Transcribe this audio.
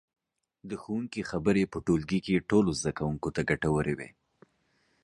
د ښوونکي خبرې په ټولګي کې ټولو زده کوونکو ته ګټورې وي.